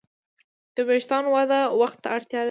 د وېښتیانو وده وخت ته اړتیا لري.